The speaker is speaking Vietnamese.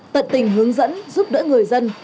tận tình hướng dẫn giúp đỡ người dân